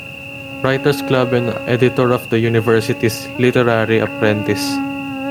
Writer's Club and editor of the university's "Literary Apprentice".